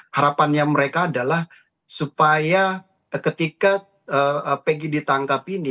harapannya mereka adalah supaya ketika peggy ditangkap ini